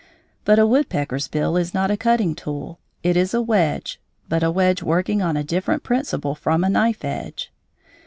But a woodpecker's bill is not a cutting tool. It is a wedge, but a wedge working on a different principle from a knife edge.